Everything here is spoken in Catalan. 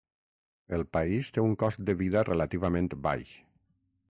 El país té un cost de vida relativament baix.